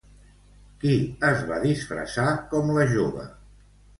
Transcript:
Qui es va disfressar com la jove?